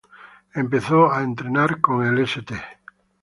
Empezó a entrenar con el St.